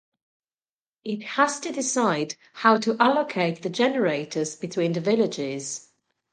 It has to decide how to allocate the generators between the villages.